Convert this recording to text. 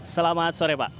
selamat sore pak